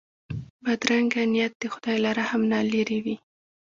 بدرنګه نیت د خدای له رحم نه لیرې وي